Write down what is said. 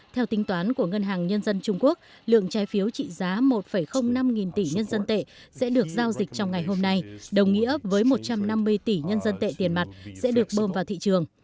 theo tính toán của ngân hàng nhân dân trung quốc lượng trái phiếu trị giá một năm nghìn tỷ nhân dân tệ sẽ được giao dịch trong ngày hôm nay đồng nghĩa với một trăm năm mươi tỷ nhân dân tệ tiền mặt sẽ được bơm vào thị trường